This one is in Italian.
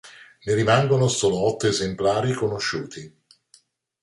Ne rimangono solo otto esemplari conosciuti.